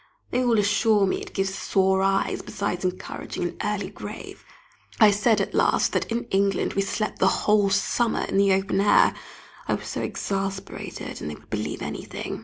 They all assure me it gives sore eyes, besides encouraging an early grave. I said at last that in England we slept the whole summer in the open air. I was so exasperated, and they would believe anything.